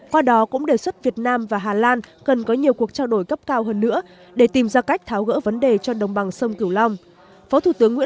qua đó cũng đề xuất việt nam và hà lan cần có nhiều cuộc trao đổi cấp cao hơn nữa để tìm ra cách tháo gỡ vấn đề cho đồng bằng sông cửu long